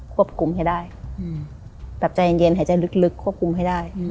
ควบคุมให้ได้แบบใจเย็นหายใจลึกควบคุมให้ได้